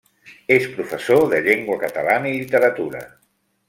És professor de llengua catalana i literatura.